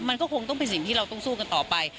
มันก็คงต้องเป็นสิ่งที่เราต้องสู้กันต่อไป